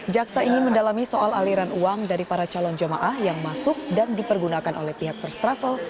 jaksa ingin mendalami soal aliran uang dari para calon jemaah yang masuk dan dipergunakan oleh pihak first travel